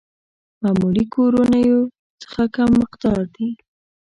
معمولي کورنيو څخه کم مقدار دي.